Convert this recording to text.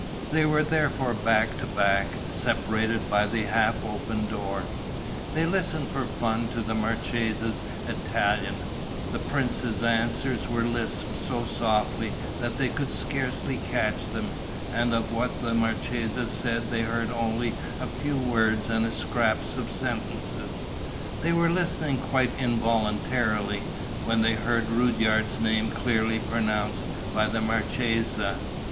They were therefore back to back, separated by the half open door. They listened for fun to the marchesa's Italian; the prince's answers were lisped so softly that they could scarcely catch them. And of what the marchesa said they heard only a few words and scraps of sentences. They were listening quite involuntarily, when they heard Rudyard's name clearly pronounced by the marchesa.